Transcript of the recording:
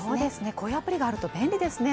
こういうアプリがあると便利ですね。